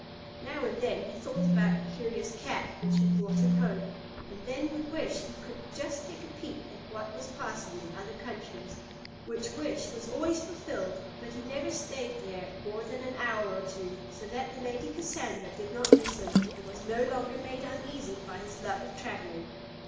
Now and then he thought about the curious cap which had brought him home, and then would wish he could just take a peep at what was passing in other countries; which wish was always fulfilled: but he never stayed there more than an hour or two, so that the Lady Cassandra did not miss him, and was no longer made uneasy by his love of travelling.